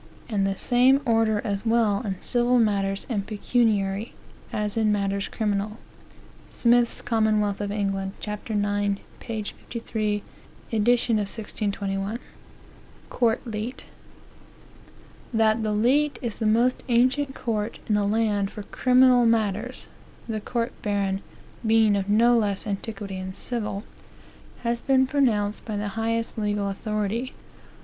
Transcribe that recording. And the same order as well in civil matters and pecuniary, as in matters criminal." Smith's Commonwealth of England, ch. 9, p. 53, Edition of 1621. Court Leet. "That the leet is the most ancient court in the land for criminal matters, (the court baron being of no less antiquity in civil,) has been pronounced by the highest legal authority.